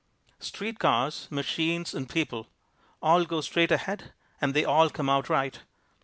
Street cars, machines and people all go straight ahead and they all come out right.